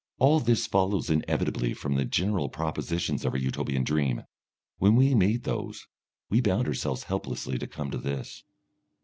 All this follows inevitably from the general propositions of our Utopian dream. When we made those, we bound ourselves helplessly to come to this....